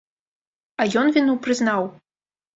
А ён віну прызнаў.